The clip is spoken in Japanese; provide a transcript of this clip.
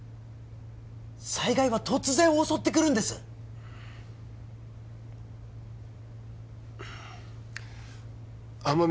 災害は突然襲ってくるんです天海